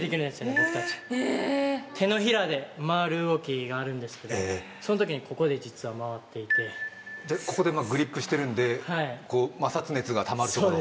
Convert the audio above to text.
僕たち手のひらで回る動きがあるんですけどそのときにここで実は回っていてそこでグリップしてるんで摩擦熱がたまるっていうこと？